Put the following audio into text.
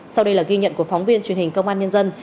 sau đây là ghi nhận của phóng viên truyền hình công an nhân dân